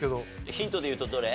ヒントで言うとどれ？